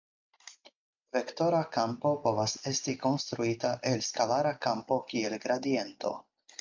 Vektora kampo povas esti konstruita el skalara kampo kiel gradiento.